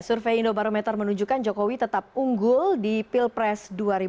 survei indobarometer menunjukkan jokowi tetap unggul di pilpres dua ribu dua puluh